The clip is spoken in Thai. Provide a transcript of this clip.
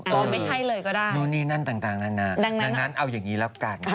ไม่ใช่เลยก็ได้นู่นนี่นั่นต่างนานาดังนั้นเอาอย่างนี้แล้วกัน